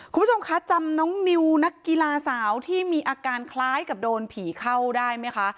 คุณผู้ชมคะจำน้องนิวนักกีฬาสาวที่มีอาการคล้ายกับโดนผีเข้าได้ไหมคะ